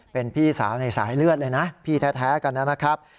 เป็นพี่สาวในสายเลือดเลยนะพี่แท้กันนะครับ